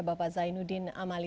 bapak zainuddin amali